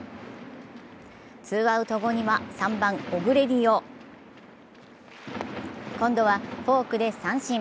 ツーアウト後には３番・オグレディを今度はフォークで三振。